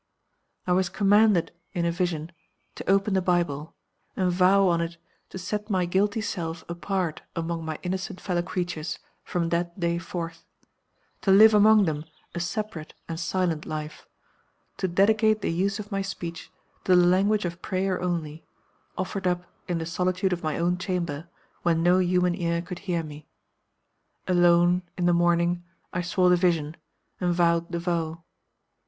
"I was commanded, in a vision, to open the Bible, and vow on it to set my guilty self apart among my innocent fellow creatures from that day forth; to live among them a separate and silent life, to dedicate the use of my speech to the language of prayer only, offered up in the solitude of my own chamber when no human ear could hear me. Alone, in the morning, I saw the vision, and vowed the vow.